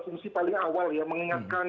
fungsi paling awal ya mengingatkan